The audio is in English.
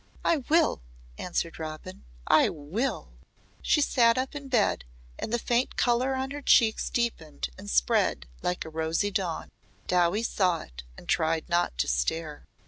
"I will," answered Robin. "I will." She sat up in bed and the faint colour on her cheeks deepened and spread like a rosy dawn. Dowie saw it and tried not to stare.